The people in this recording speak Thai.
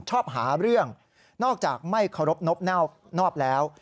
ชอบหาเรื่องนอกจากไม่เคารพนบนอบแล้ว